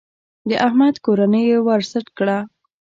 د احمد کورنۍ يې ور سټ کړه.